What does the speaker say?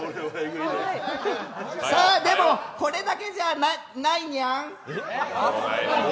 でもこれだけじゃないニャン。